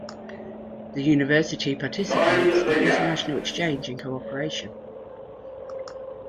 The university participates in international exchange and cooperation.